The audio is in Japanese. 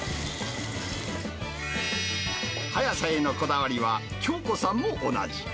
速さへのこだわりは、京子さんも同じ。